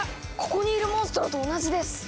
ここにいるモンストロと同じです！